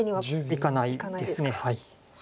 いかないです。